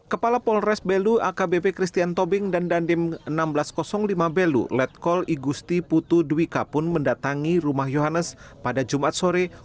kepala polres belu akbp christian tobing dan dandim seribu enam ratus lima belu letkol igusti putu dwika pun mendatangi rumah yohannes pada jumat sore